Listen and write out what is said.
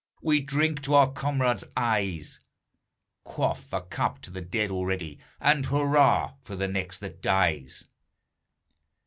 We drink to our comrades' eyes; Quaff a cup to the dead already And hurrah for the next that dies!